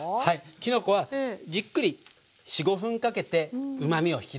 きのこはじっくり４５分かけてうまみを引き出しております。